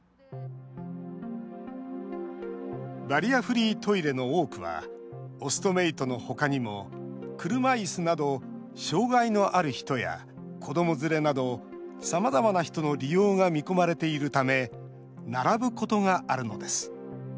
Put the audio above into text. バリアフリートイレの多くはオストメイトの他にも車いすなど障害のある人や子ども連れなどさまざまな人の利用が見込まれているため並ぶことがあるのです。